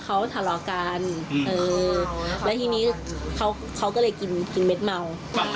เขาก็เอาเมียกันมานั่งหลังร้าน